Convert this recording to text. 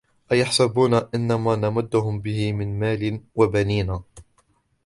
أَيَحْسَبُونَ أَنَّمَا نُمِدُّهُمْ بِهِ مِنْ مَالٍ وَبَنِينَ